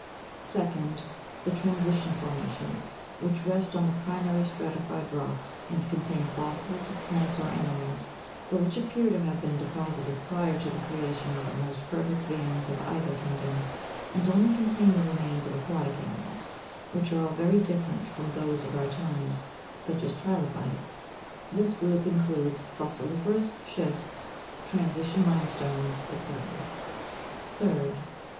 5. Second. The transition formations, which rest on the pri mary stratified rocks, and contain fossils of plants or animals, but which appear to have been deposited prior to the creation of the most perfect beings of either kingdom, and only contain the remains of aquatic animals, which are all very different from those of our times, such as tri'lobites (fig. 4, page 28). This group includes fossili'ferous schists, transition limestones, &c. 6. Third.